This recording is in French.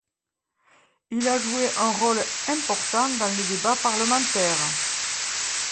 Il a joué un rôle important dans les débats parlementaires.